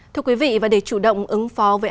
thưa quý vị để chủ động ứng phó với áp thấp nhiệt đới